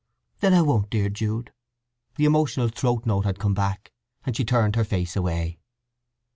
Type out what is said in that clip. "Then I won't, dear Jude!" The emotional throat note had come back, and she turned her face away.